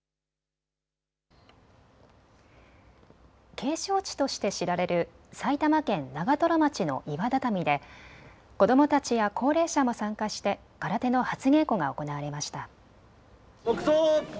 景勝地として知られる埼玉県長瀞町の岩畳で子どもたちや高齢者も参加して空手の初稽古が行われました。